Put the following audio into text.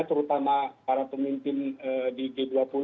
terutama para pemimpin di g dua puluh